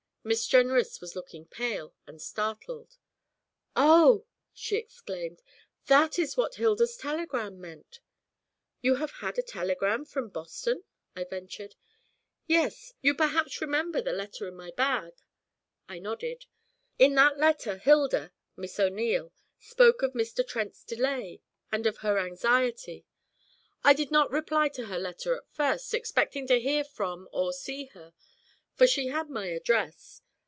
Miss Jenrys was looking pale and startled. 'Oh!' she exclaimed. 'That is what Hilda's telegram meant.' 'You have had a telegram from Boston?' I ventured. 'Yes. You perhaps remember the letter in my bag?' I nodded. 'In that letter Hilda Miss O'Neil spoke of Mr. Trent's delay, and of her anxiety. I did not reply to her letter at first, expecting to hear from or see her, for she had my address.